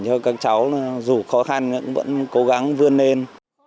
cho các cháu dù khó khăn vẫn cố gắng vươn lên